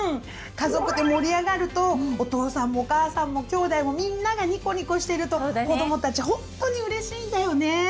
家族で盛り上がるとお父さんもお母さんもきょうだいもみんながニコニコしてると子どもたちほんとにうれしいんだよね！